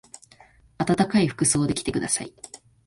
あたたかい服装で来てください。